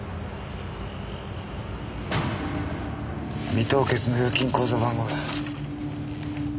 未凍結の預金口座番号だ。